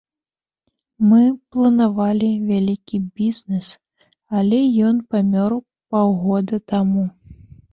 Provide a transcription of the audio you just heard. Мы планавалі вялікі бізнес, але ён памёр паўгода таму.